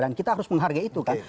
dan kita harus menghargai itu kan